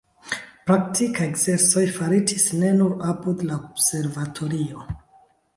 Praktikaj ekzercoj faritis ne nur apud la observatorio.